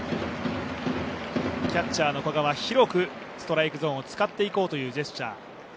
キャッチャーの古賀は広くストライクゾーンを使っていこうというジェスチャー。